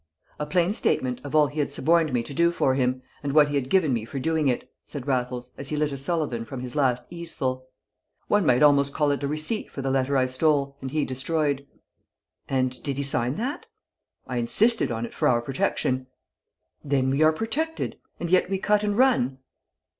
"A plain statement of all he had suborned me to do for him, and what he had given me for doing it," said Raffles, as he lit a Sullivan from his last easeful. "One might almost call it a receipt for the letter I stole and he destroyed." "And did he sign that?" "I insisted on it for our protection." "Then we are protected, and yet we cut and run?"